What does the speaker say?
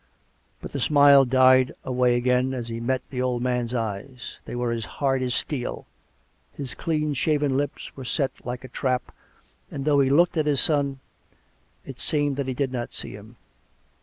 But the smile died away again, as he met the old man's eyes; they were as hard as steel; his clean shaven lips were set like a trap, and, tliough he looked at his son, it seemed that he did not see him.